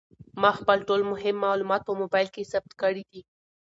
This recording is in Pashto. ما خپل ټول مهم معلومات په موبایل کې ثبت کړي دي.